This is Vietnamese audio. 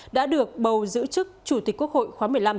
đã được bầu giữ chức chủ tịch quốc hội khóa một mươi năm